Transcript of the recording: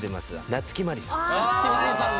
夏木マリさんだ！